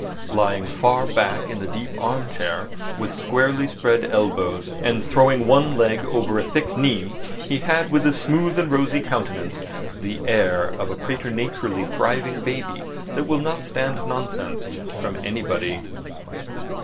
Lying far back in the deep arm chair, with squarely spread elbows, and throwing one leg over a thick knee, he had with his smooth and rosy countenance the air of a preternaturally thriving baby that will not stand nonsense from anybody.